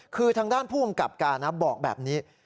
คือทางด้านผู้กำกับการนะบอกแบบนี้